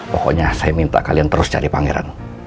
pokoknya saya minta kalian terus cari pangeran